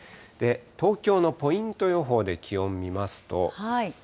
東京のポイント予報で気温見ますと。